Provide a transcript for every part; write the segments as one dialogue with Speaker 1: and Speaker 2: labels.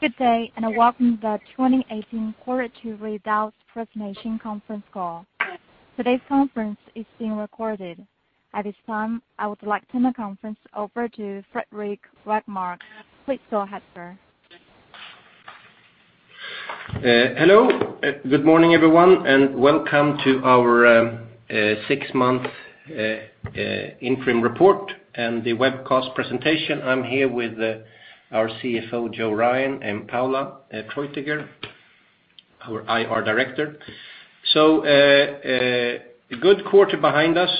Speaker 1: Good day, welcome to the 2018 Quarter 2 Results Presentation Conference Call. Today's conference is being recorded. At this time, I would like to turn the conference over to Fredrik Rågmark. Please go ahead, sir.
Speaker 2: Hello. Good morning, everyone, welcome to our six-month interim report and the webcast presentation. I'm here with our CFO, Joe Ryan, and Paula Treutiger, our IR director. A good quarter behind us.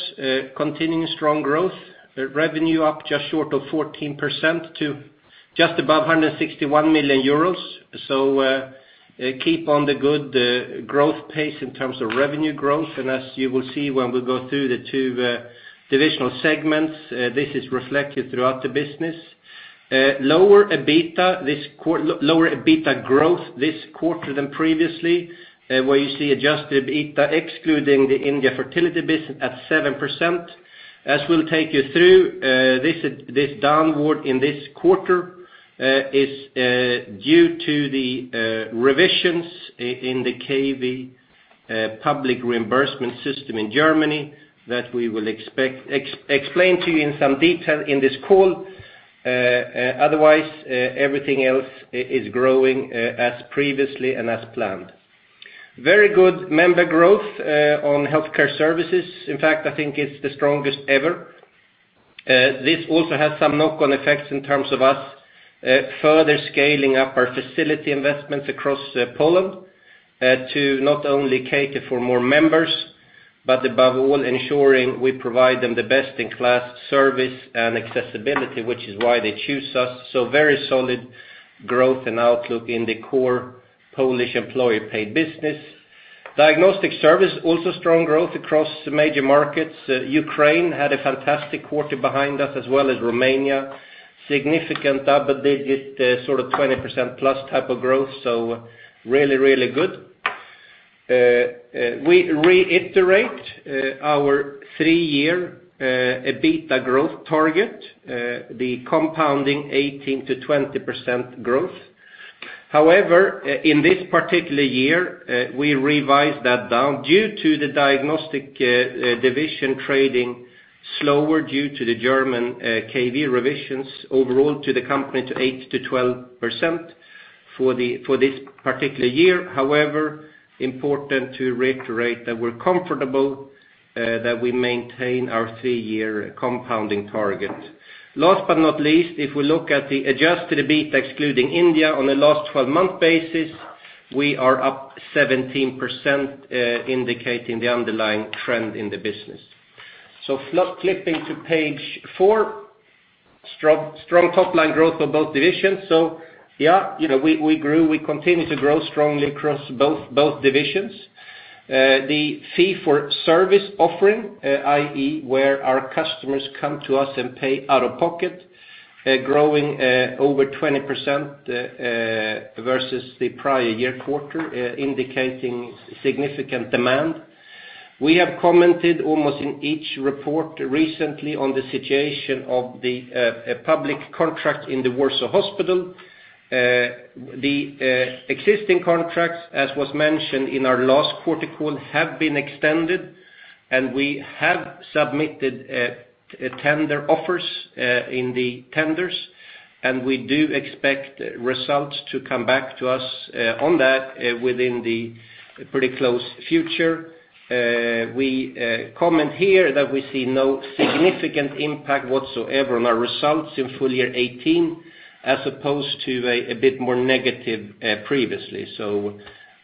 Speaker 2: Continuing strong growth. Revenue up just short of 14% to just above 161 million euros. Keep on the good growth pace in terms of revenue growth. As you will see when we go through the two divisional segments, this is reflected throughout the business. Lower EBITDA growth this quarter than previously, where you see adjusted EBITDA excluding the India fertility business at 7%. As we'll take you through, this downward in this quarter is due to the revisions in the KV public reimbursement system in Germany that we will explain to you in some detail in this call. Otherwise, everything else is growing as previously and as planned. Very good member growth on healthcare services. In fact, I think it's the strongest ever. This also has some knock-on effects in terms of us further scaling up our facility investments across Poland to not only cater for more members, but above all, ensuring we provide them the best-in-class service and accessibility, which is why they choose us. Very solid growth and outlook in the core Polish employee paid business. Diagnostic service, also strong growth across major markets. Ukraine had a fantastic quarter behind us as well as Romania. Significant double-digit, sort of 20%+ type of growth, so really, really good. We reiterate our three-year EBITDA growth target, the compounding 18%-20% growth. However, in this particular year, we revised that down due to the diagnostic division trading slower due to the German KV revisions overall to the company to 8%-12% for this particular year. However, important to reiterate that we're comfortable that we maintain our three-year compounding target. Last but not least, if we look at the adjusted EBITDA excluding India on a last 12-month basis, we are up 17%, indicating the underlying trend in the business. Flipping to page four, strong top-line growth for both divisions. Yeah, we continue to grow strongly across both divisions. The fee-for-service offering, i.e., where our customers come to us and pay out of pocket, growing over 20% versus the prior year quarter, indicating significant demand. We have commented almost in each report recently on the situation of the public contract in the Warsaw Hospital. The existing contracts, as was mentioned in our last quarter call, have been extended, we have submitted tender offers in the tenders, and we do expect results to come back to us on that within the pretty close future. We comment here that we see no significant impact whatsoever on our results in full year 2018 as opposed to a bit more negative previously.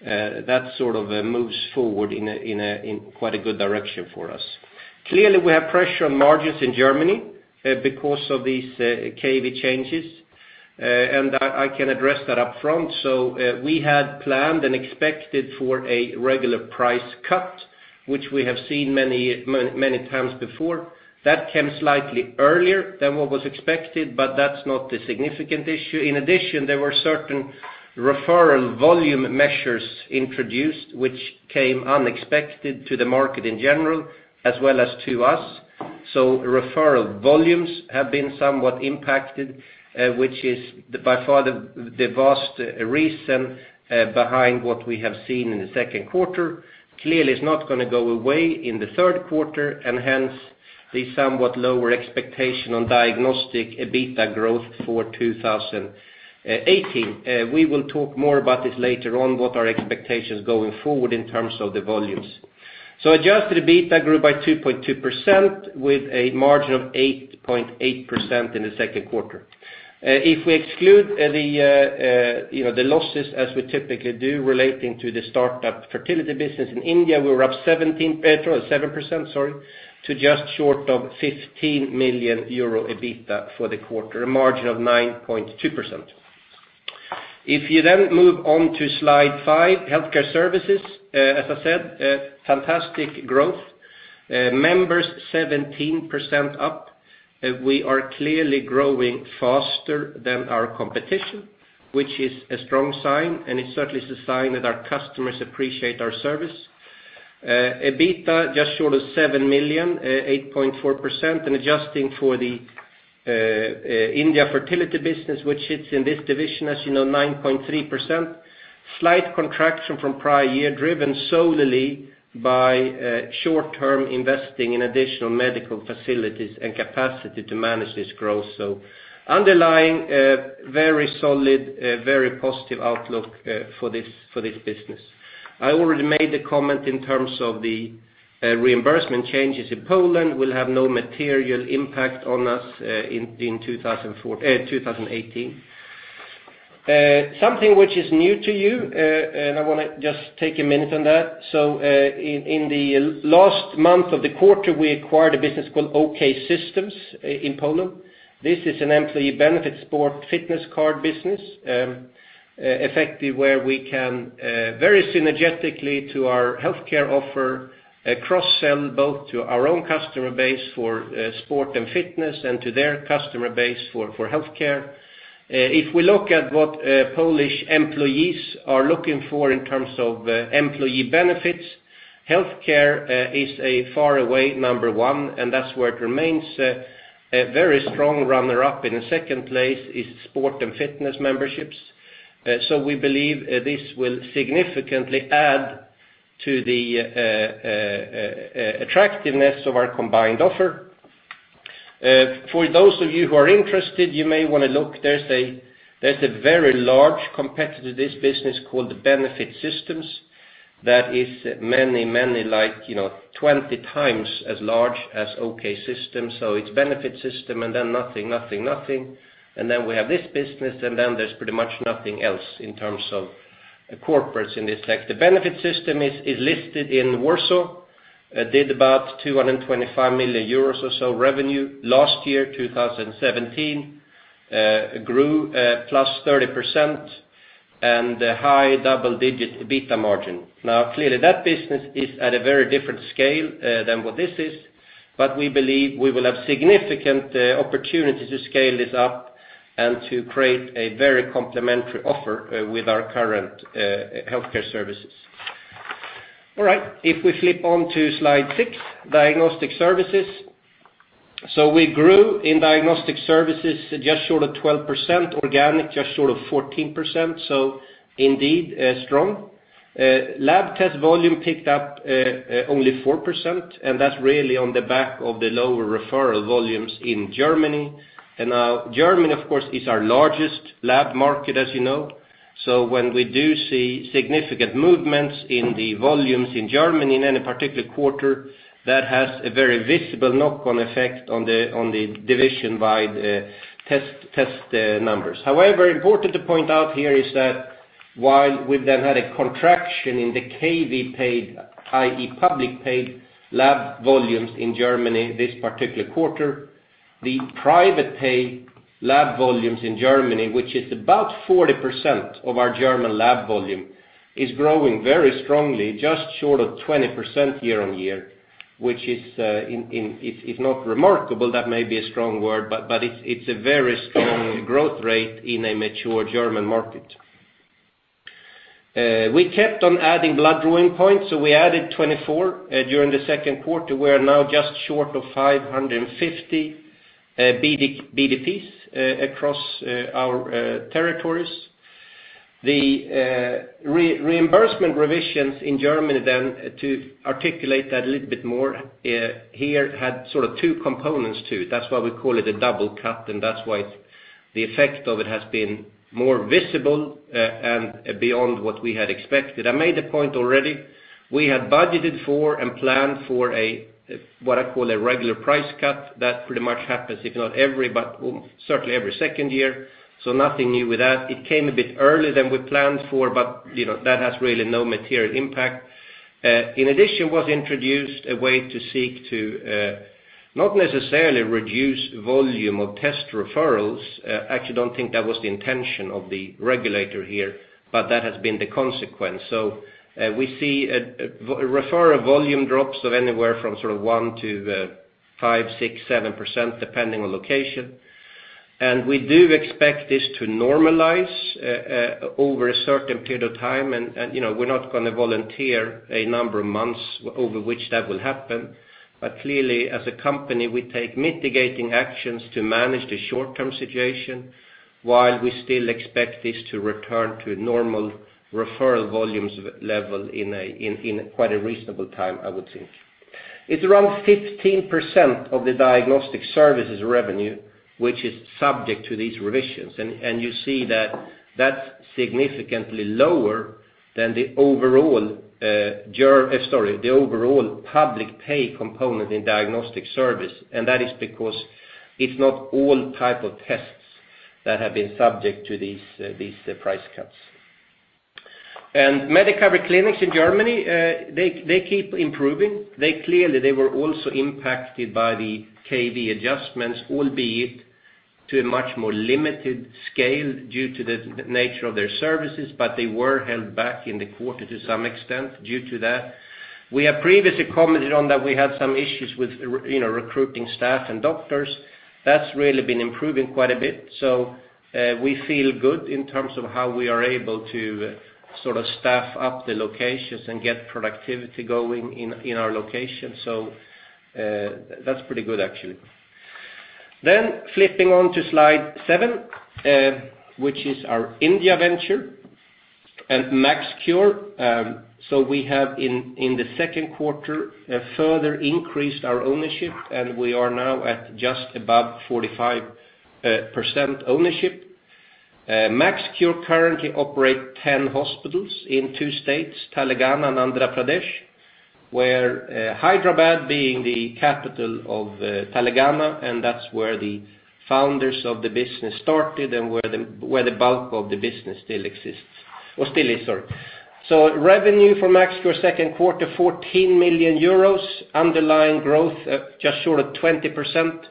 Speaker 2: That sort of moves forward in quite a good direction for us. Clearly, we have pressure on margins in Germany because of these KV changes, and I can address that up front. We had planned and expected for a regular price cut, which we have seen many times before. That came slightly earlier than what was expected, but that's not the significant issue. In addition, there were certain referral volume measures introduced which came unexpected to the market in general as well as to us. Referral volumes have been somewhat impacted, which is by far the vast reason behind what we have seen in the second quarter. Clearly, it's not going to go away in the third quarter and hence the somewhat lower expectation on diagnostic EBITDA growth for 2018. We will talk more about this later on, what our expectations going forward in terms of the volumes. Adjusted EBITDA grew by 2.2% with a margin of 8.8% in the second quarter. If we exclude the losses as we typically do relating to the start-up fertility business in India, we were up 7% to just short of 15 million euro EBITDA for the quarter, a margin of 9.2%. If you then move on to slide five, healthcare services, as I said, fantastic growth. Members 17% up. We are clearly growing faster than our competition, which is a strong sign, and it certainly is a sign that our customers appreciate our service. EBITA just short of 7 million, 8.4%, and adjusting for the India fertility business which sits in this division, as you know, 9.3%. Slight contraction from prior year, driven solely by short-term investing in additional medical facilities and capacity to manage this growth. Underlying, very solid, very positive outlook for this business. I already made the comment in terms of the reimbursement changes in Poland will have no material impact on us in 2018. Something which is new to you, and I want to just take a minute on that. In the last month of the quarter, we acquired a business called OK System in Poland. This is an employee benefit sport fitness card business, effective where we can very synergetically to our healthcare offer, cross-sell both to our own customer base for sport and fitness and to their customer base for healthcare. If we look at what Polish employees are looking for in terms of employee benefits, healthcare is a far away number one, and that's where it remains. A very strong runner-up in second place is sport and fitness memberships. We believe this will significantly add to the attractiveness of our combined offer. For those of you who are interested, you may want to look, there's a very large competitor to this business called the Benefit Systems, that is many like 20 times as large as OK System. It's Benefit Systems and then nothing. Then we have this business, and then there's pretty much nothing else in terms of corporates in this sector. Benefit Systems is listed in Warsaw, did about 225 million euros or so revenue last year, 2017. Grew +30%, and a high double-digit EBITDA margin. Clearly that business is at a very different scale than what this is, but we believe we will have significant opportunities to scale this up and to create a very complementary offer with our current healthcare services. All right. If we flip on to slide 6, diagnostic services. We grew in diagnostic services just short of 12%, organic just short of 14%, so indeed strong. Lab test volume picked up only 4%, and that's really on the back of the lower referral volumes in Germany. Germany, of course, is our largest lab market, as you know. When we do see significant movements in the volumes in Germany in any particular quarter, that has a very visible knock-on effect on the division by test numbers. However, important to point out here is that while we've then had a contraction in the KV paid, i.e. public paid lab volumes in Germany this particular quarter, the private pay lab volumes in Germany, which is about 40% of our German lab volume, is growing very strongly, just short of 20% year-on-year, which is if not remarkable, that may be a strong word, but it's a very strong growth rate in a mature German market. We kept on adding blood drawing points, so we added 24 during the second quarter. We are now just short of 550 BDPs across our territories. The reimbursement revisions in Germany, to articulate that a little bit more, here had sort of two components to it. That's why we call it a double cut, and that's why the effect of it has been more visible and beyond what we had expected. I made a point already. We had budgeted for and planned for a, what I call a regular price cut. That pretty much happens, if not every, but certainly every second year, so nothing new with that. It came a bit earlier than we planned for, but that has really no material impact. In addition, was introduced a way to seek to not necessarily reduce volume of test referrals. Actually, I don't think that was the intention of the regulator here, but that has been the consequence. We see a referral volume drops of anywhere from 1%-5%, 6%, 7%, depending on location. We do expect this to normalize over a certain period of time, and we're not going to volunteer a number of months over which that will happen. Clearly, as a company, we take mitigating actions to manage the short-term situation while we still expect this to return to normal referral volumes level in quite a reasonable time, I would think. It's around 15% of the diagnostic services revenue, which is subject to these revisions. You see that that's significantly lower than the overall public pay component in diagnostic service, and that is because it's not all type of tests that have been subject to these price cuts. Medicover clinics in Germany, they keep improving. Clearly, they were also impacted by the KV adjustments, albeit to a much more limited scale due to the nature of their services, but they were held back in the quarter to some extent due to that. We have previously commented on that we had some issues with recruiting staff and doctors. That's really been improving quite a bit. We feel good in terms of how we are able to staff up the locations and get productivity going in our locations. That's pretty good, actually. Flipping onto slide seven, which is our India venture and MaxCure. We have, in the second quarter, further increased our ownership, and we are now at just above 45% ownership. MaxCure currently operate 10 hospitals in two states, Telangana and Andhra Pradesh, where Hyderabad being the capital of Telangana, and that's where the founders of the business started and where the bulk of the business still is. Revenue for MaxCure second quarter, 14 million euros. Underlying growth, just short of 20%.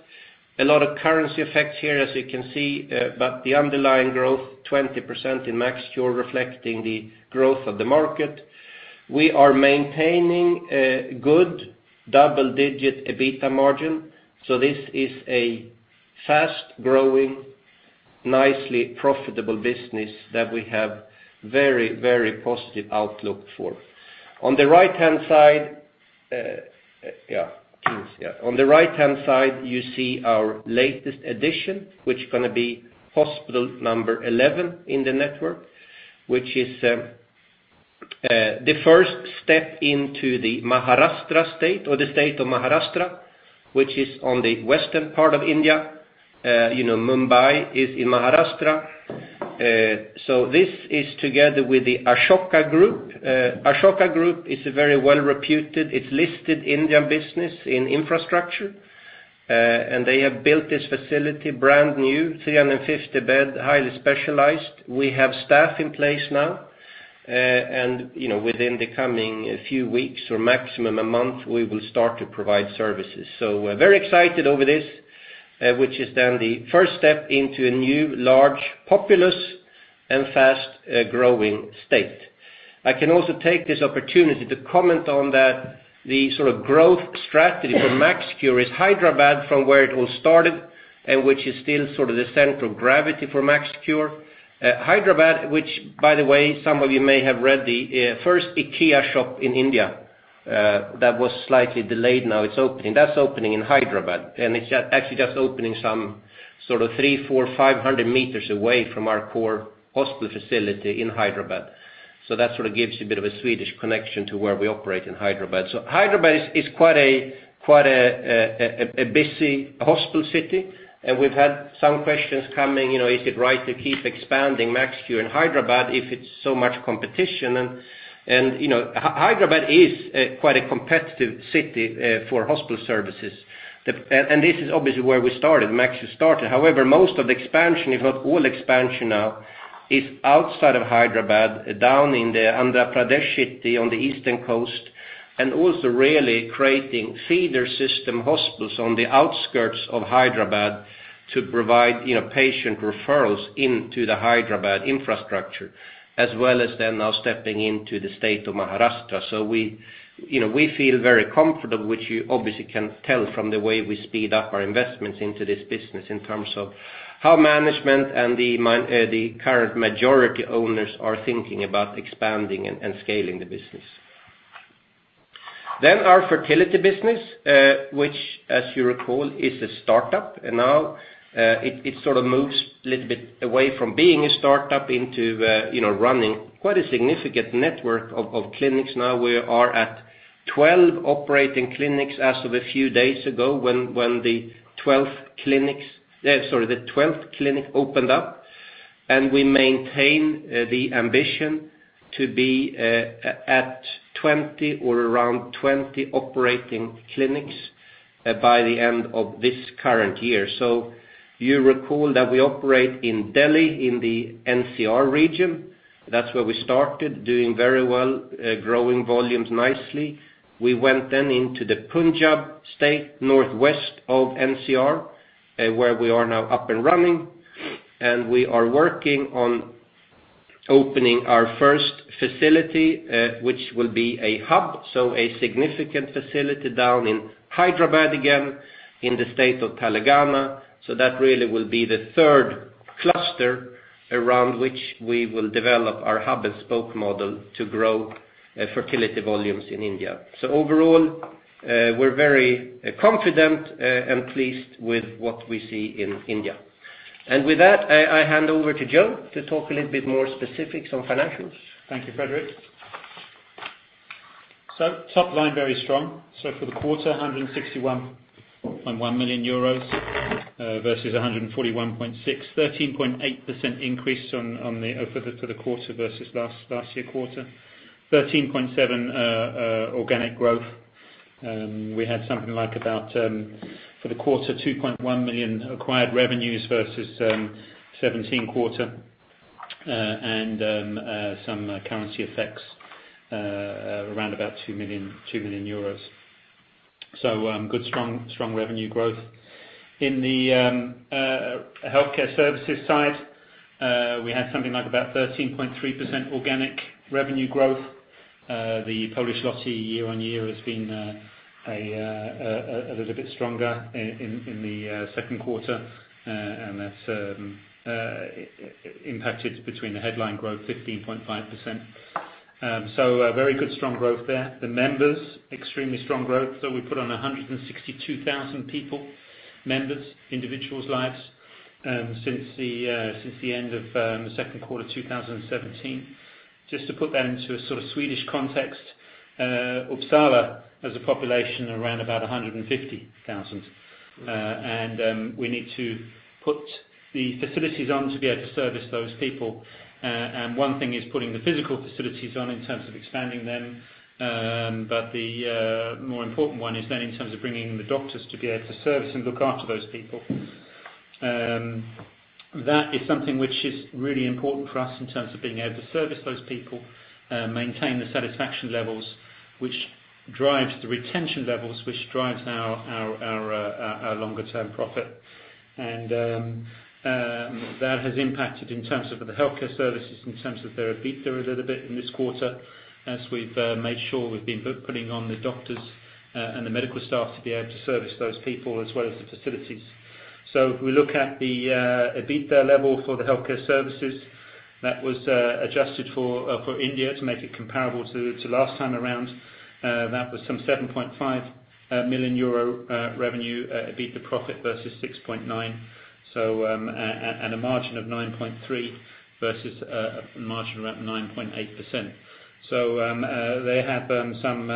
Speaker 2: A lot of currency effects here, as you can see, but the underlying growth, 20% in MaxCure reflecting the growth of the market. We are maintaining a good double-digit EBITDA margin. This is a fast-growing, nicely profitable business that we have very positive outlook for. On the right-hand side, you see our latest addition, which is going to be hospital number 11 in the network, which is the first step into the Maharashtra state or the state of Maharashtra, which is on the western part of India. Mumbai is in Maharashtra. This is together with the Ashoka Group. Ashoka Group is a very well-reputed, it's listed Indian business in infrastructure. They have built this facility, brand new, 350 bed, highly specialized. We have staff in place now, and within the coming few weeks or maximum a month, we will start to provide services. We're very excited over this, which is then the first step into a new large populace and fast-growing state. I can also take this opportunity to comment on that the sort of growth strategy for MaxCure is Hyderabad from where it all started and which is still sort of the central gravity for MaxCure. Hyderabad, which by the way, some of you may have read the first IKEA shop in India, that was slightly delayed, now it's opening. That's opening in Hyderabad, and it's actually just opening some sort of 300, 400, 500 meters away from our core hospital facility in Hyderabad. That sort of gives you a bit of a Swedish connection to where we operate in Hyderabad. Hyderabad is quite a busy hospital city, and we've had some questions coming, is it right to keep expanding MaxCure in Hyderabad if it's so much competition? Hyderabad is quite a competitive city for hospital services. This is obviously where we started, MaxCure started. However, most of the expansion, if not all expansion now, is outside of Hyderabad, down in the Andhra Pradesh city on the eastern coast, and also really creating feeder system hospitals on the outskirts of Hyderabad to provide patient referrals into the Hyderabad infrastructure, as well as them now stepping into the state of Maharashtra. We feel very comfortable, which you obviously can tell from the way we speed up our investments into this business in terms of how management and the current majority owners are thinking about expanding and scaling the business. Our fertility business, which as you recall, is a startup, and now it sort of moves a little bit away from being a startup into running quite a significant network of clinics now. We are at 12 operating clinics as of a few days ago when the 12th clinic opened up, and we maintain the ambition to be at 20 or around 20 operating clinics by the end of this current year. You recall that we operate in Delhi, in the NCR region. That's where we started doing very well, growing volumes nicely. We went then into the Punjab State, northwest of NCR, where we are now up and running, and we are working on opening our first facility, which will be a hub, a significant facility down in Hyderabad, again, in the state of Telangana. That really will be the third cluster around which we will develop our hub-and-spoke model to grow fertility volumes in India. Overall, we're very confident and pleased with what we see in India. With that, I hand over to Joe to talk a little bit more specifics on financials.
Speaker 3: Thank you, Fredrik. Top line, very strong. For the quarter, 161.1 million euros versus 141.6 million, 13.8% increase for the quarter versus last year quarter, 13.7% organic growth. We had something like about, for the quarter, 2.1 million acquired revenues versus 17 quarter, and some currency effects around about 2 million euros. Good strong revenue growth. In the healthcare services side, we had something like about 13.3% organic revenue growth. The Polish zloty year-on-year has been a little bit stronger in the second quarter, and that's impacted between the headline growth, 15.5%. Very good strong growth there. The members, extremely strong growth. We put on 162,000 people, members, individuals lives since the end of the second quarter 2017. Just to put that into a sort of Swedish context, Uppsala has a population around about 150,000. We need to put the facilities on to be able to service those people. One thing is putting the physical facilities on in terms of expanding them, but the more important one is then in terms of bringing the doctors to be able to service and look after those people. That is something which is really important for us in terms of being able to service those people, maintain the satisfaction levels, which drives the retention levels, which drives our longer term profit. That has impacted in terms of the healthcare services, in terms of their EBITDA a little bit in this quarter, as we've made sure we've been putting on the doctors and the medical staff to be able to service those people as well as the facilities. If we look at the EBITDA level for the healthcare services, that was adjusted for India to make it comparable to last time around. That was some 7.5 million euro revenue, EBITDA profit versus 6.9. A margin of 9.3% versus a margin around 9.8%. They have some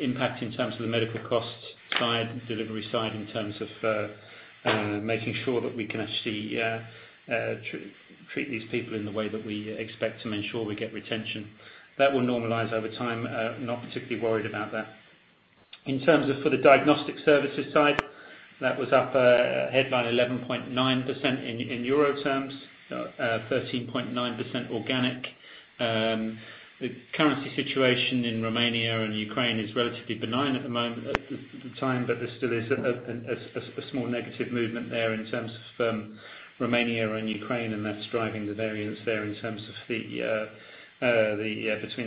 Speaker 3: impact in terms of the medical costs side, delivery side, in terms of making sure that we can actually treat these people in the way that we expect to make sure we get retention. That will normalize over time. Not particularly worried about that. In terms of for the diagnostic services side, that was up headline 11.9% in EUR terms, 13.9% organic. The currency situation in Romania and Ukraine is relatively benign at the moment, at the time, there still is a small negative movement there in terms of Romania and Ukraine, and that's driving the variance there in terms of between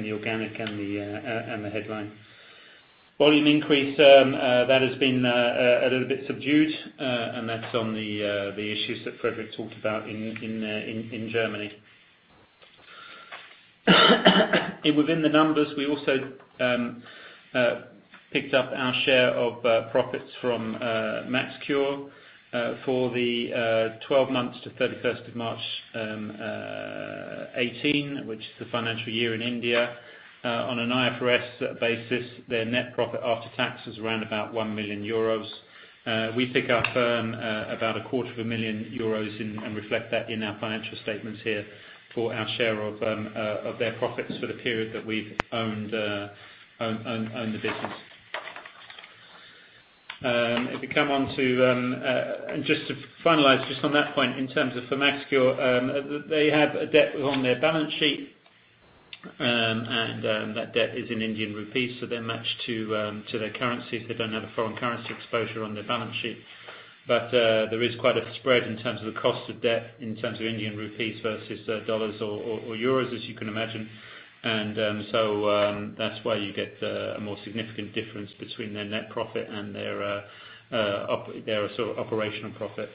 Speaker 3: the organic and the headline. Volume increase, that has been a little bit subdued, and that's on the issues that Fredrik talked about in Germany. Within the numbers, we also picked up our share of profits from MaxCure for the 12 months to 31st of March 2018, which is the financial year in India. On an IFRS basis, their net profit after tax is around about 1 million euros. We pick up about a quarter of a million EUR and reflect that in our financial statements here for our share of their profits for the period that we've owned the business. Just to finalize just on that point in terms of for MaxCure, they have a debt on their balance sheet, that debt is in Indian rupees, they're matched to their currencies. They don't have a foreign currency exposure on their balance sheet. There is quite a spread in terms of the cost of debt in terms of Indian rupees versus USD or EUR, as you can imagine. That's why you get a more significant difference between their net profit and their operational profit.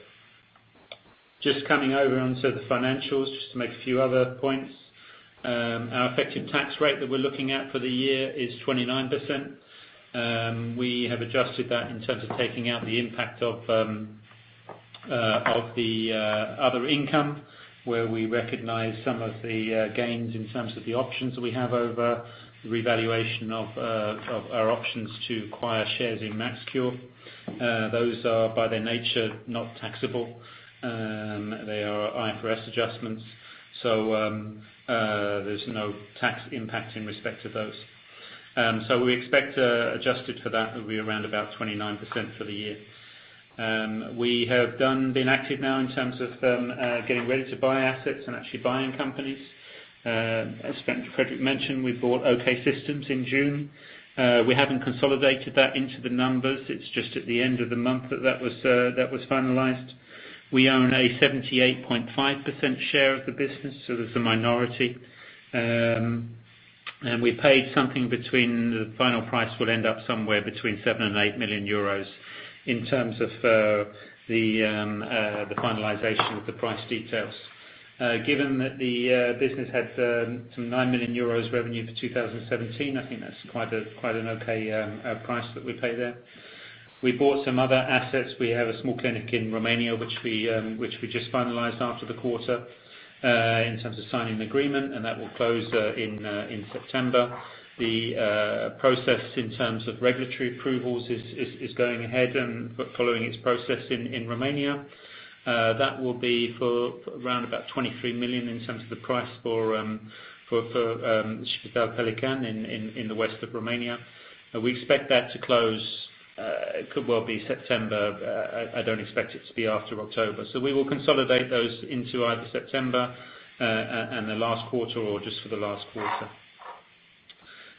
Speaker 3: Just coming over onto the financials, just to make a few other points. Our effective tax rate that we're looking at for the year is 29%. We have adjusted that in terms of taking out the impact of the other income, where we recognize some of the gains in terms of the options we have over the revaluation of our options to acquire shares in MaxCure. Those are, by their nature, not taxable. They are IFRS adjustments. There's no tax impact in respect of those. We expect, adjusted for that, will be around about 29% for the year. We have been active now in terms of getting ready to buy assets and actually buying companies. As Fredrik mentioned, we bought OK System in June. We haven't consolidated that into the numbers. It's just at the end of the month that that was finalized. We own a 78.5% share of the business, there's a minority. We paid something between the final price will end up somewhere between 7 million and 8 million euros in terms of the finalization of the price details. Given that the business had some 9 million euros revenue for 2017, I think that is quite an okay price that we paid there. We bought some other assets. We have a small clinic in Romania, which we just finalized after the quarter, in terms of signing agreement, and that will close in September. The process in terms of regulatory approvals is going ahead and following its process in Romania. That will be for around about 23 million in terms of the price for Spitalul Pelican in the west of Romania. We expect that to close, could well be September. I do not expect it to be after October. We will consolidate those into either September and the last quarter or just for the last quarter.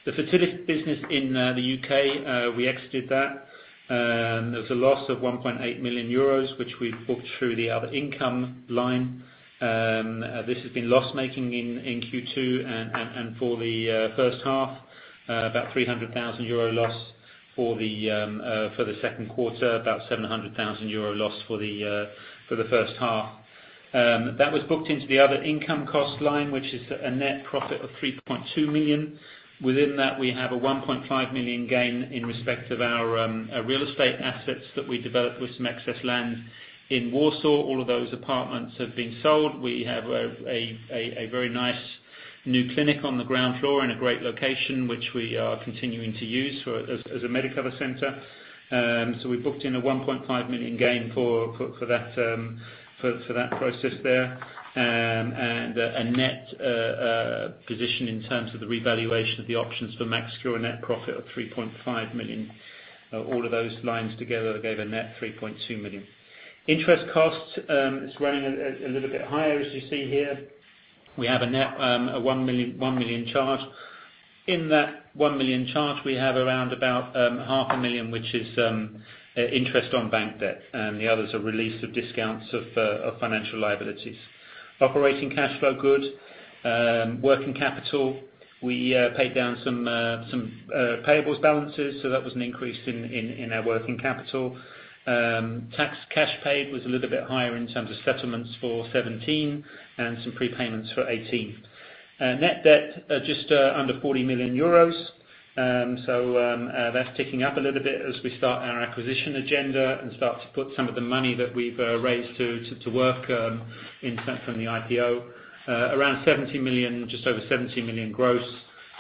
Speaker 3: The fertility business in the U.K., we exited that. There was a loss of 1.8 million euros, which we have booked through the other income line. This has been loss-making in Q2 and for the first half. About 300,000 euro loss for the second quarter, about 700,000 euro loss for the first half. That was booked into the other income cost line, which is a net profit of 3.2 million. Within that, we have a 1.5 million gain in respect of our real estate assets that we developed with some excess land in Warsaw. All of those apartments have been sold. We have a very nice new clinic on the ground floor in a great location, which we are continuing to use as a Medicover center. We booked in a 1.5 million gain for that process there. A net position in terms of the revaluation of the options for MaxCure, a net profit of 3.5 million. All of those lines together gave a net 3.2 million. Interest costs is running a little bit higher, as you see here. We have a net of 1 million charge. In that 1 million charge, we have around about half a million, which is interest on bank debt. The others are release of discounts of financial liabilities. Operating cash flow good. Working capital, we paid down some payables balances. That was an increase in our working capital. Tax cash paid was a little bit higher in terms of settlements for 2017 and some prepayments for 2018. Net debt, just under 40 million euros. That is ticking up a little bit as we start our acquisition agenda and start to put some of the money that we have raised to work in terms from the IPO. Around just over 70 million gross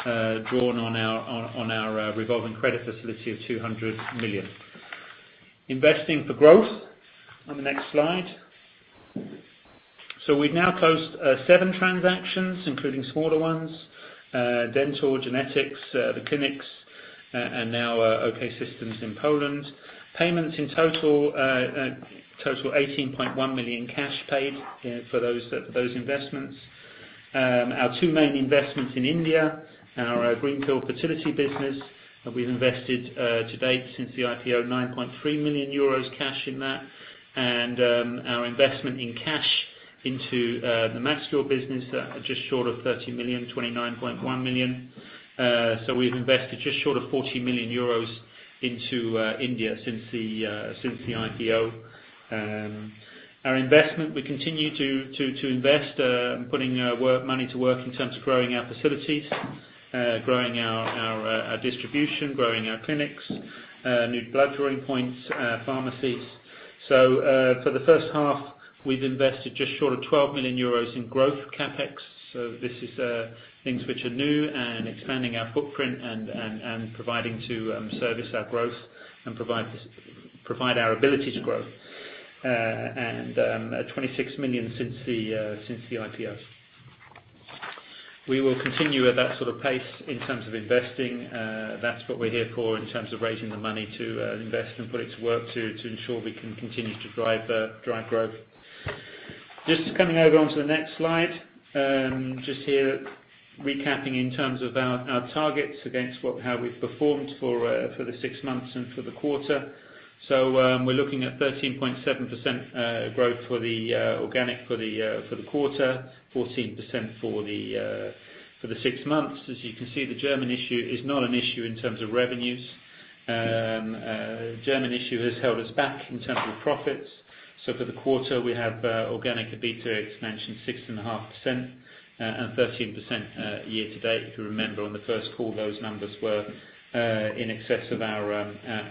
Speaker 3: drawn on our revolving credit facility of 200 million. Investing for growth on the next slide. We have now closed seven transactions, including smaller ones. Dental, genetics, the clinics, and now OK System in Poland. Payments in total, 18.1 million cash paid for those investments. Our two main investments in India, our Greenfield fertility business, we have invested to date since the IPO 9.3 million euros cash in that. Our investment in cash into the MaxCure business, just short of 30 million, 29.1 million. We have invested just short of 40 million euros into India since the IPO. Our investment, we continue to invest, putting money to work in terms of growing our facilities, growing our distribution, growing our clinics, new blood-drawing points, pharmacies. For the first half, we've invested just short of 12 million euros in growth CapEx. This is things which are new and expanding our footprint and providing to service our growth and provide our ability to grow. 26 million since the IPO. We will continue at that sort of pace in terms of investing. That's what we're here for in terms of raising the money to invest and put it to work to ensure we can continue to drive growth. Coming over onto the next slide. Here recapping in terms of our targets against how we've performed for the six months and for the quarter. We're looking at 13.7% growth for the organic for the quarter, 14% for the six months. As you can see, the German issue is not an issue in terms of revenues. German issue has held us back in terms of profits. For the quarter, we have organic EBITDA expansion 6.5% and 13% year-to-date. If you remember on the first call, those numbers were in excess of our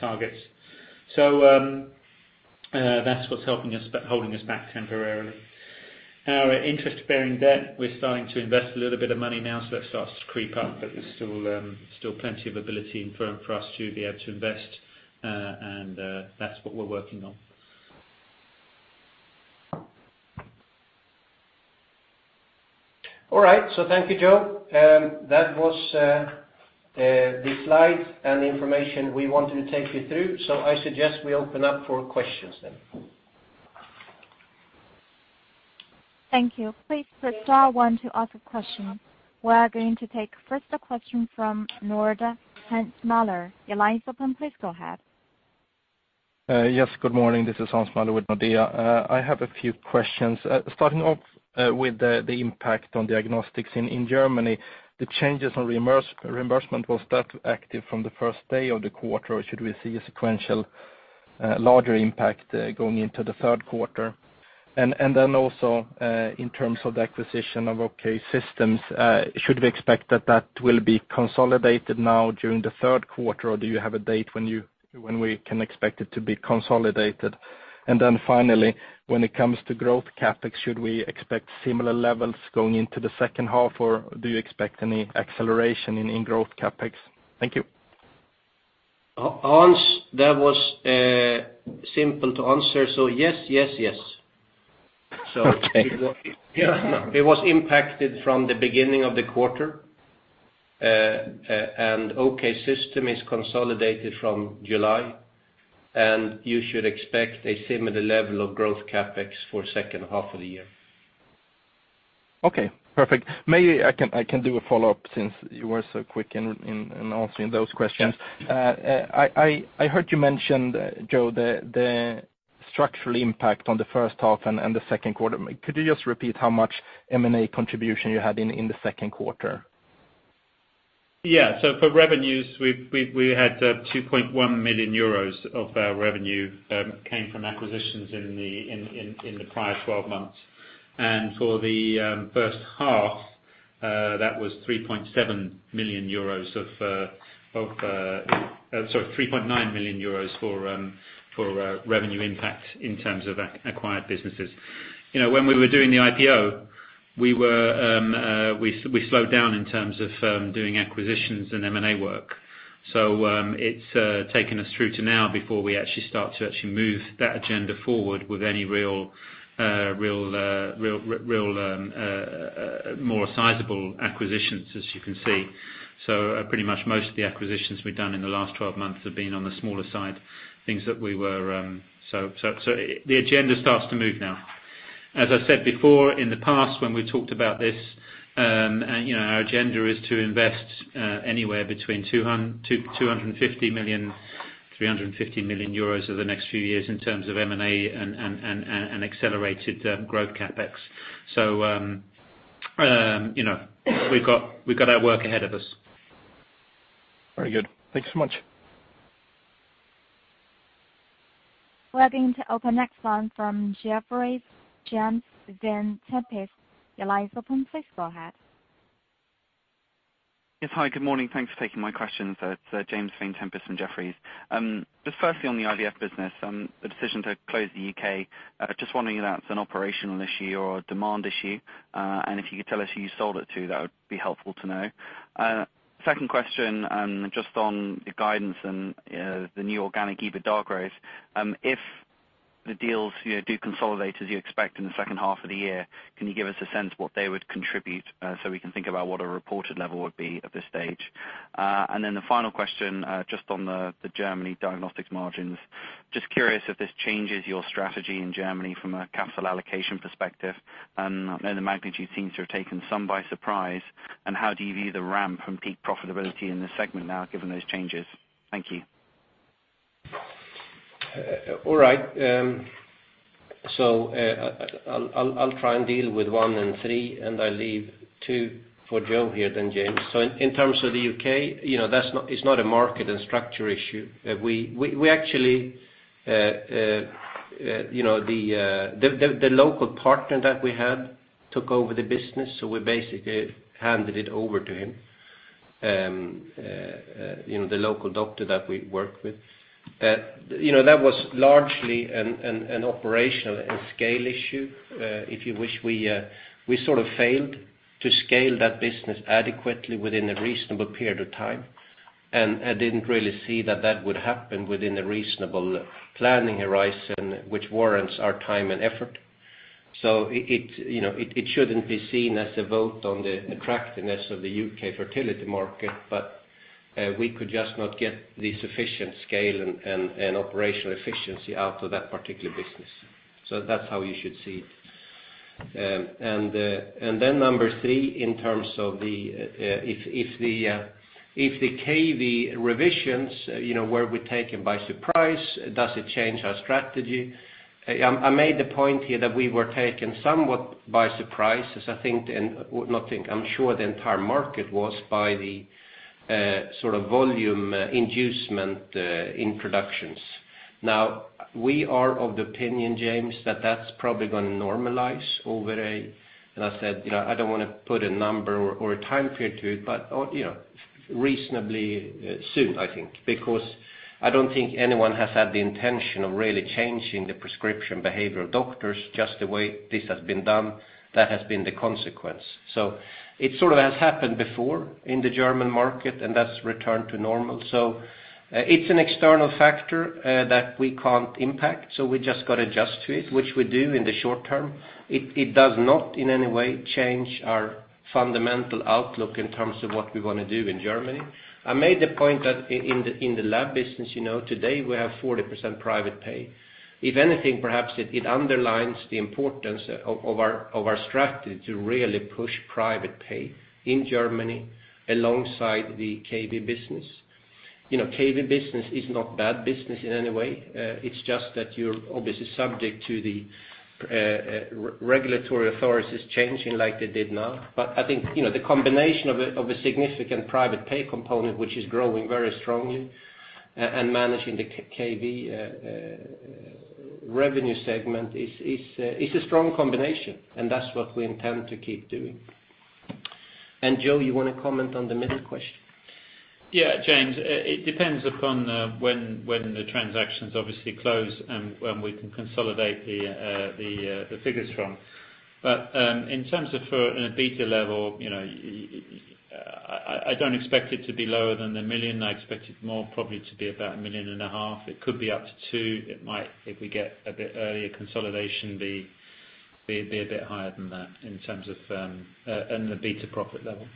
Speaker 3: targets. That's what's holding us back temporarily. Our interest-bearing debt, we're starting to invest a little bit of money now, so that starts to creep up. There's still plenty of ability for us to be able to invest. That's what we're working on.
Speaker 2: All right. Thank you, Joe. That was the slides and the information we wanted to take you through. I suggest we open up for questions then.
Speaker 1: Thank you. Please press star one to ask a question. We are going to take first a question from Nordea, Hans Smalle. Your line is open. Please go ahead.
Speaker 4: Yes, good morning. This is Hans Smalle with Nordea. I have a few questions. Starting off with the impact on diagnostics in Germany. The changes on reimbursement, was that active from the first day of the quarter, or should we see a sequential larger impact going into the third quarter? Also in terms of the acquisition of OK System, should we expect that that will be consolidated now during the third quarter, or do you have a date when we can expect it to be consolidated? Finally, when it comes to growth CapEx, should we expect similar levels going into the second half, or do you expect any acceleration in growth CapEx? Thank you.
Speaker 2: Hans, that was simple to answer. Yes, yes.
Speaker 4: Okay.
Speaker 2: It was impacted from the beginning of the quarter. OK System is consolidated from July. You should expect a similar level of growth CapEx for second half of the year.
Speaker 4: Okay, perfect. Maybe I can do a follow-up since you were so quick in answering those questions.
Speaker 2: Yeah.
Speaker 4: I heard you mention, Joe, the structural impact on the first half and the second quarter. Could you just repeat how much M&A contribution you had in the second quarter?
Speaker 3: Yeah. For revenues, we had 2.1 million euros of revenue came from acquisitions in the prior 12 months. For the first half, that was 3.7 million euros of Sorry, 3.9 million euros for revenue impact in terms of acquired businesses. When we were doing the IPO, we slowed down in terms of doing acquisitions and M&A work. It's taken us through to now before we actually start to actually move that agenda forward with any real more sizable acquisitions, as you can see. Pretty much most of the acquisitions we've done in the last 12 months have been on the smaller side. The agenda starts to move now. As I said before, in the past, when we talked about this, our agenda is to invest anywhere between 200 million-350 million euros over the next few years in terms of M&A and accelerated growth CapEx. We've got our work ahead of us.
Speaker 4: Very good. Thank you so much.
Speaker 1: We're going to open next line from Jefferies, James Vane-Tempest. Your line is open. Please go ahead.
Speaker 5: Yes. Hi, good morning. Thanks for taking my questions. It's James Vane-Tempest and Jefferies. Firstly on the IVF business, the decision to close the U.K., just wondering if that's an operational issue or a demand issue. If you could tell us who you sold it to, that would be helpful to know. Second question, just on your guidance and the new organic EBITDA growth. If the deals do consolidate as you expect in the second half of the year, can you give us a sense what they would contribute so we can think about what a reported level would be at this stage? The final question, just on the Germany diagnostics margins. Just curious if this changes your strategy in Germany from a capital allocation perspective. I know the magnitude seems to have taken some by surprise. How do you view the ramp from peak profitability in this segment now, given those changes? Thank you.
Speaker 2: All right. I'll try and deal with one and three. I'll leave two for Joe here then, James. In terms of the U.K., it's not a market and structure issue. The local partner that we had took over the business, so we basically handed it over to him, the local doctor that we worked with. That was largely an operational and scale issue. If you wish, we sort of failed to scale that business adequately within a reasonable period of time. I didn't really see that that would happen within a reasonable planning horizon, which warrants our time and effort. It shouldn't be seen as a vote on the attractiveness of the U.K. fertility market, but we could just not get the sufficient scale and operational efficiency out of that particular business. That's how you should see it. number three, in terms of if the KV revisions, were we taken by surprise, does it change our strategy? I made the point here that we were taken somewhat by surprise as I'm sure the entire market was by the sort of volume inducement introductions. We are of the opinion, James, that that's probably going to normalize over a, and I said I don't want to put a number or a time period to it, but reasonably soon, I think, because I don't think anyone has had the intention of really changing the prescription behavior of doctors just the way this has been done. That has been the consequence. It sort of has happened before in the German market, and that's returned to normal. It's an external factor that we can't impact, so we just got to adjust to it, which we do in the short term. It does not in any way change our fundamental outlook in terms of what we want to do in Germany. I made the point that in the lab business, today we have 40% private pay. If anything, perhaps it underlines the importance of our strategy to really push private pay in Germany alongside the KV business. KV business is not bad business in any way. It's just that you're obviously subject to the regulatory authorities changing like they did now. I think, the combination of a significant private pay component, which is growing very strongly, and managing the KV revenue segment is a strong combination, and that's what we intend to keep doing. Joe, you want to comment on the middle question?
Speaker 3: Yeah, James, it depends upon when the transactions obviously close and when we can consolidate the figures from. In terms of for an EBITDA level, I don't expect it to be lower than 1 million. I expect it more probably to be about 1.5 million. It could be up to 2 million. It might, if we get a bit earlier consolidation, be a bit higher than that in terms of the EBITDA profit level.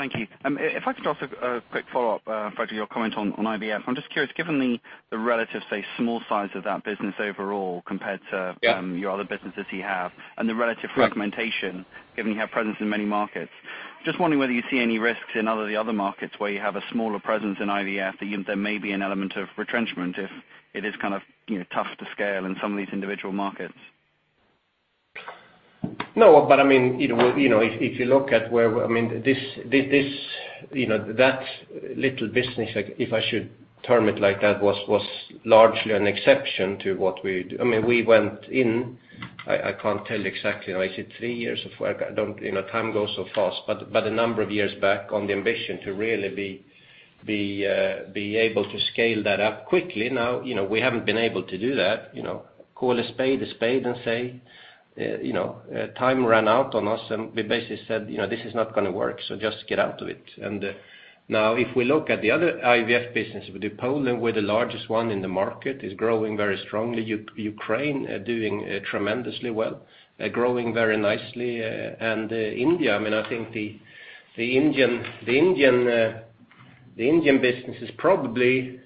Speaker 5: Thank you. If I could ask a quick follow-up, Fredrik, your comment on IVF. I'm just curious, given the relative, say, small size of that business overall compared to-
Speaker 2: Yeah
Speaker 5: your other businesses you have, and the relative fragmentation given you have presence in many markets, just wondering whether you see any risks in the other markets where you have a smaller presence in IVF, that there may be an element of retrenchment if it is kind of tough to scale in some of these individual markets.
Speaker 2: No, if you look at that little business, if I should term it like that, was largely an exception to what we do. We went in, I can't tell you exactly, is it three years of work? I don't. Time goes so fast. A number of years back on the ambition to really be able to scale that up quickly. We haven't been able to do that. Call a spade a spade and say, time ran out on us and we basically said, "This is not going to work, so just get out of it." If we look at the other IVF business, with Poland, we're the largest one in the market, is growing very strongly. Ukraine are doing tremendously well, growing very nicely. India, I think the Indian business is probably,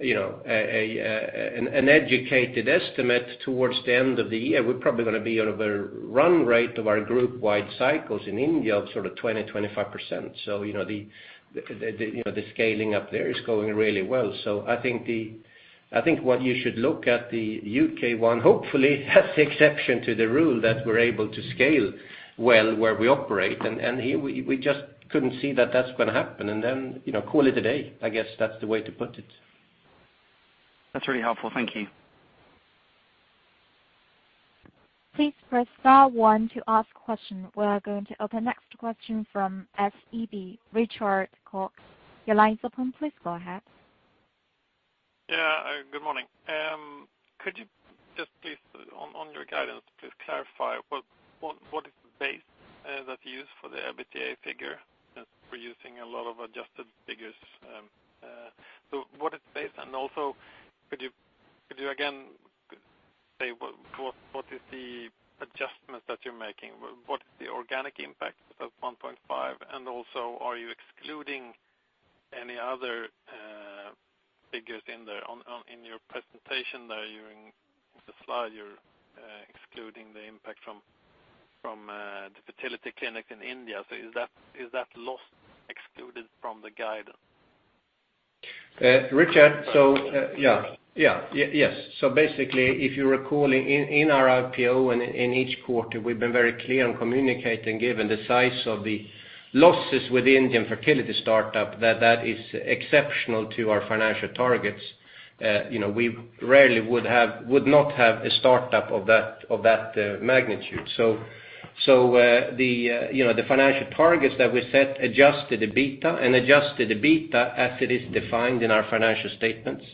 Speaker 2: an educated estimate towards the end of the year, we're probably going to be on a run rate of our group-wide cycles in India of sort of 20%-25%. The scaling up there is going really well. I think what you should look at the U.K. one, hopefully that's the exception to the rule that we're able to scale well where we operate, here we just couldn't see that that's going to happen. Call it a day. I guess that's the way to put it.
Speaker 5: That's really helpful. Thank you.
Speaker 1: Please press star one to ask question. We are going to open next question from SEB, Richard Kux. Your line is open, please go ahead.
Speaker 6: Good morning. Could you just please, on your guidance, please clarify what is the base that you use for the EBITDA figure? Since we're using a lot of adjusted figures. What is the base, and also could you again say what is the adjustment that you're making? What is the organic impact of 1.5, and also are you excluding any other figures in there in your presentation there during the slide, you're excluding the impact from the fertility clinic in India. Is that loss excluded from the guidance?
Speaker 2: Richard, Yes. Basically, if you recall in our IPO and in each quarter, we've been very clear on communicating given the size of the losses with the Indian fertility startup, that that is exceptional to our financial targets. We rarely would not have a startup of that magnitude. The financial targets that we set adjusted EBITDA and adjusted EBITDA as it is defined in our financial statements.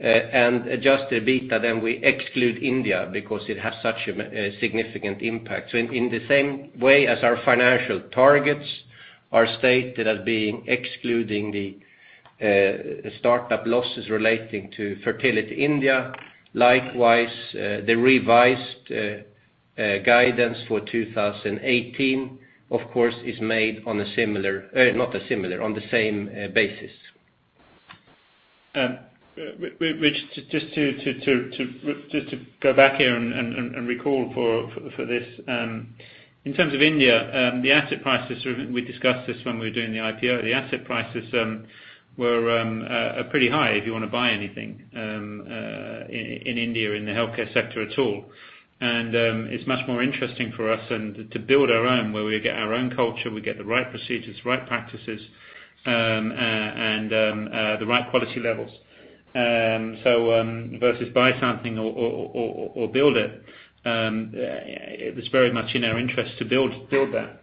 Speaker 2: Adjusted EBITDA, we exclude India because it has such a significant impact. In the same way as our financial targets are stated as being excluding the startup losses relating to fertility India, likewise, the revised guidance for 2018, of course, is made on the same basis.
Speaker 3: Rich, just to go back here and recall for this. In terms of India, the asset prices, we discussed this when we were doing the IPO. The asset prices were pretty high if you want to buy anything in India in the healthcare sector at all. It's much more interesting for us and to build our own where we get our own culture, we get the right procedures, right practices, and the right quality levels. Versus buy something or build it was very much in our interest to build that.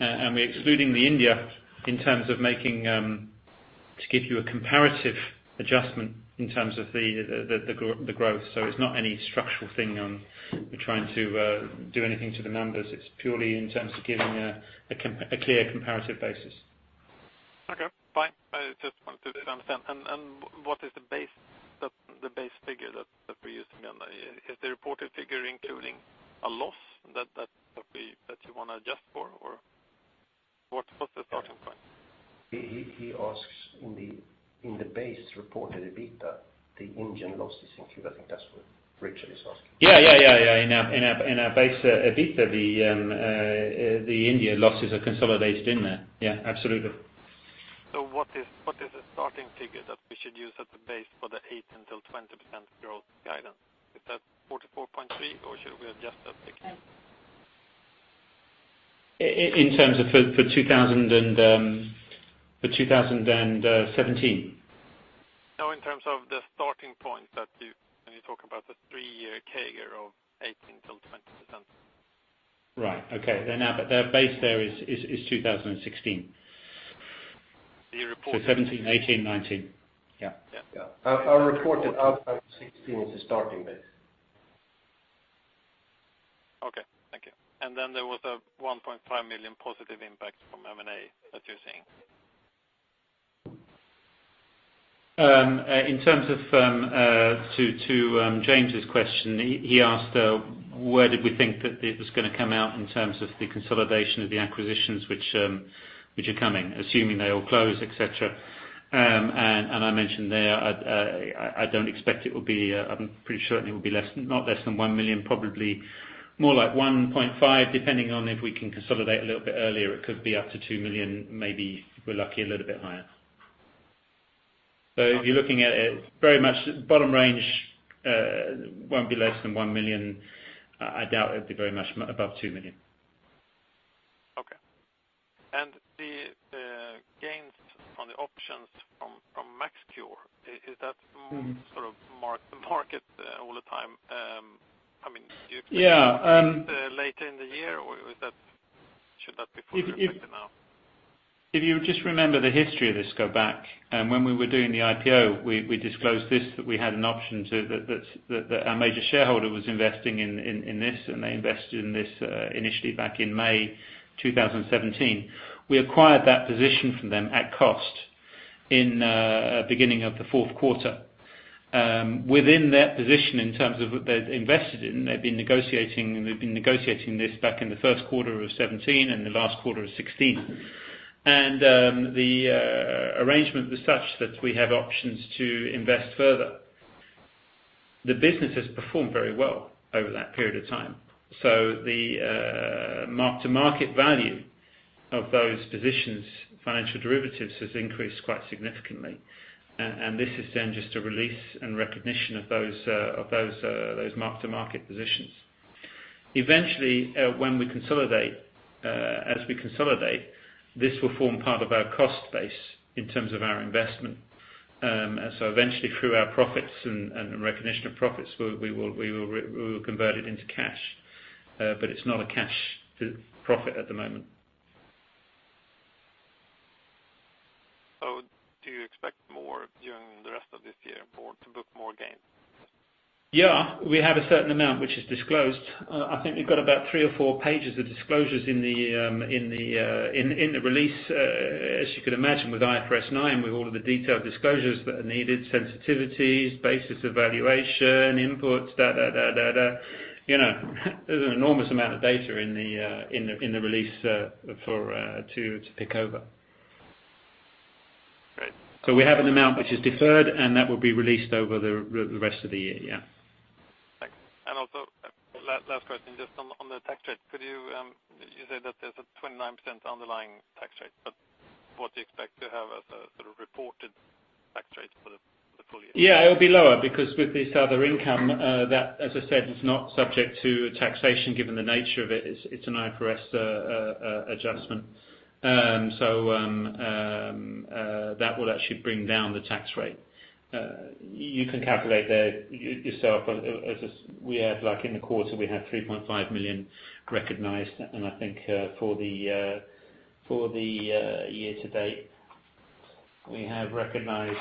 Speaker 3: We're excluding the India in terms of to give you a comparative adjustment in terms of the growth. It's not any structural thing on, we're trying to do anything to the numbers. It's purely in terms of giving a clear comparative basis.
Speaker 6: Okay, fine. I just wanted to understand. What is the base figure that we're using then? Is the reported figure including a loss that you want to adjust for, or what's the starting point?
Speaker 2: He asks in the base reported EBITDA, the Indian loss is included. I think that's what Richard is asking.
Speaker 3: Yeah. In our base EBITDA, the India losses are consolidated in there. Yeah, absolutely.
Speaker 6: What is the starting figure that we should use as the base for the 18%-20% growth guidance? Is that 44.3 or should we adjust that figure?
Speaker 3: In terms of for 2017?
Speaker 6: No, in terms of the starting point that you, when you talk about the three-year CAGR of 18 till 20%.
Speaker 3: Right. Okay. The base there is 2016.
Speaker 6: The reported-
Speaker 3: 2017, 2018, 2019. Yeah.
Speaker 6: Yeah.
Speaker 2: Our reported as of 2016 is the starting base.
Speaker 6: Okay, thank you. There was a 1.5 million positive impact from M&A that you're seeing.
Speaker 3: In terms of James' question, he asked where did we think that it was going to come out in terms of the consolidation of the acquisitions which are coming, assuming they all close, et cetera. I mentioned there, I don't expect it will be, I'm pretty certain it will be not less than 1 million, probably more like 1.5 million, depending on if we can consolidate a little bit earlier, it could be up to 2 million, maybe if we're lucky, a little bit higher. If you're looking at it, very much bottom range won't be less than 1 million. I doubt it'd be very much above 2 million.
Speaker 6: Okay. The gains on the options from MaxCure, is that sort of mark to market all the time?
Speaker 3: Yeah.
Speaker 6: Later in the year, should that be fully reflected now?
Speaker 3: If you just remember the history of this, go back. When we were doing the IPO, we disclosed this, that we had an option, that our major shareholder was investing in this, and they invested in this initially back in May 2017. We acquired that position from them at cost in beginning of the fourth quarter. Within that position, in terms of what they'd invested in, they'd been negotiating this back in the first quarter of 2017 and the last quarter of 2016. The arrangement was such that we have options to invest further. The business has performed very well over that period of time. The mark-to-market value of those positions, financial derivatives, has increased quite significantly. This is then just a release and recognition of those mark-to-market positions. Eventually, as we consolidate, this will form part of our cost base in terms of our investment. Eventually through our profits and the recognition of profits, we will convert it into cash. It's not a cash profit at the moment.
Speaker 6: Do you expect more during the rest of this year to book more gains?
Speaker 3: Yeah. We have a certain amount which is disclosed. I think we've got about three or four pages of disclosures in the release. As you can imagine, with IFRS 9, with all of the detailed disclosures that are needed, sensitivities, basis of valuation, inputs, da, da. There's an enormous amount of data in the release to pick over.
Speaker 6: Great.
Speaker 3: We have an amount which is deferred, and that will be released over the rest of the year. Yeah.
Speaker 6: Thanks. Also, last question just on the tax rate. You said that there's a 29% underlying tax rate, but what do you expect to have as a sort of reported tax rate for the full year?
Speaker 3: Yeah, it'll be lower because with this other income, that, as I said, is not subject to taxation given the nature of it. It's an IFRS adjustment. That will actually bring down the tax rate. You can calculate that yourself. In the quarter, we had 3.5 million recognized, and I think for the year to date, we have recognized,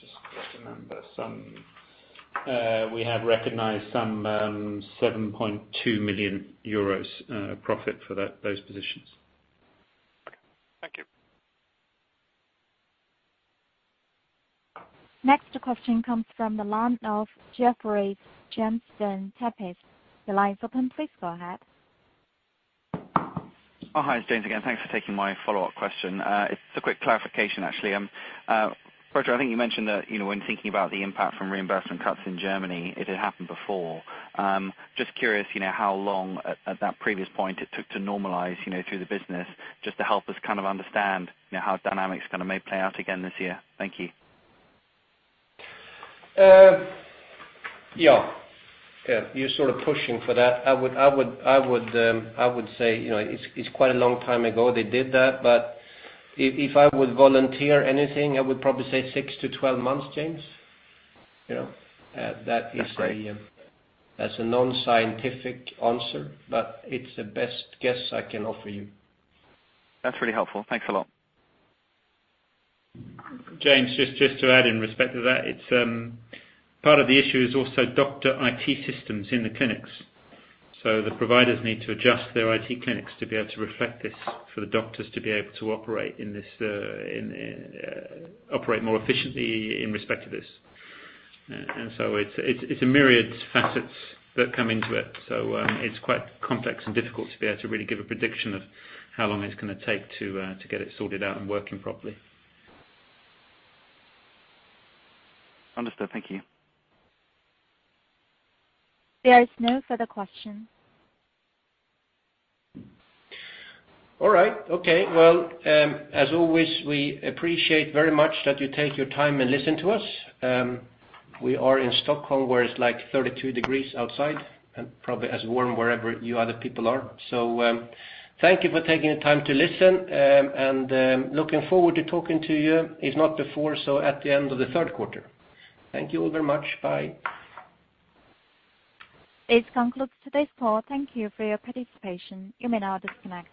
Speaker 3: just trying to remember. We have recognized some 7.2 million euros profit for those positions.
Speaker 6: Okay. Thank you.
Speaker 1: Next question comes from the line of Geoffrey Jamston Tapis. Your line is open. Please go ahead.
Speaker 5: Oh, hi. It's James again. Thanks for taking my follow-up question. It's a quick clarification, actually. Fredrik, I think you mentioned that when thinking about the impact from reimbursement cuts in Germany, it had happened before. Just curious how long at that previous point it took to normalize through the business just to help us kind of understand how dynamics may play out again this year. Thank you.
Speaker 2: Yeah. You're sort of pushing for that. I would say it's quite a long time ago they did that, but if I would volunteer anything, I would probably say 6-12 months, James.
Speaker 5: Okay.
Speaker 2: That's a non-scientific answer, but it's the best guess I can offer you.
Speaker 5: That's really helpful. Thanks a lot.
Speaker 3: James, just to add in respect to that, part of the issue is also doctor IT systems in the clinics. The providers need to adjust their IT clinics to be able to reflect this for the doctors to be able to operate more efficiently in respect to this. It's a myriad of facets that come into it. It's quite complex and difficult to be able to really give a prediction of how long it's going to take to get it sorted out and working properly.
Speaker 5: Understood. Thank you.
Speaker 1: There is no further questions.
Speaker 2: All right. Okay. Well, as always, we appreciate very much that you take your time and listen to us. We are in Stockholm, where it's like 32 degrees outside and probably as warm wherever you other people are. Thank you for taking the time to listen, and looking forward to talking to you, if not before, so at the end of the third quarter. Thank you all very much. Bye.
Speaker 1: This concludes today's call. Thank you for your participation. You may now disconnect.